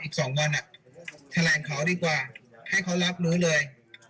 อีก๒วันแถลงข่าวดีกว่าให้เขารับรู้เลย